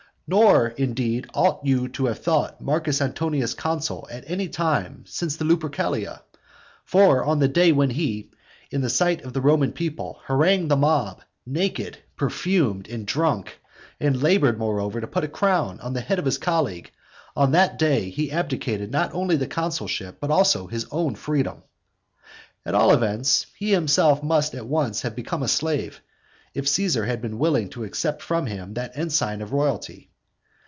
Nor, indeed, ought you to have thought Marcus Antonius consul at any time since the Lupercalia. For on the day when he, in the sight of the Roman people, harangued the mob, naked, perfumed, and drunk, and laboured moreover to put a crown on the head of his colleague, on that day he abdicated not only the consulship, but also his own freedom. At all events he himself must at once have become a slave, if Caesar had been willing to accept from him that ensign of royalty.